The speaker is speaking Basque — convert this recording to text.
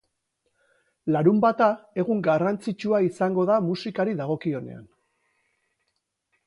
Larunbata egun garrantzitsua izango da musikari dagokionean.